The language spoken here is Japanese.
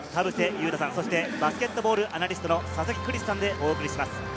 勇太さん、そしてバスケットボールアナリストの佐々木クリスさんでお送りします。